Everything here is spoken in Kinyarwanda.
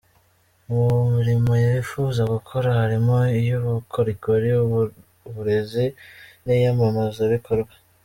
Mu mirimo yifuza gukora harimo iy’ubukorikori, uburezi n’iyamamazabikorwa.